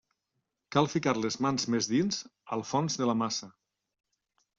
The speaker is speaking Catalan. Cal ficar les mans més dins, al fons de la massa.